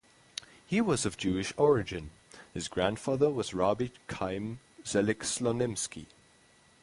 He was of Jewish origin; his grandfather was Rabbi Chaim Zelig Slonimsky.